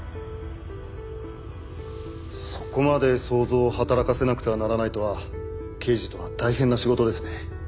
そこまで想像を働かせなくてはならないとは刑事とは大変な仕事ですね。